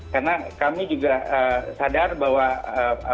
karena kami juga sadar bahwa apa